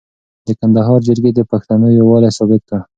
د کندهار جرګې د پښتنو یووالی ثابت کړ.